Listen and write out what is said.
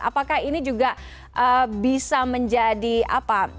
apakah ini juga bisa menjadi apa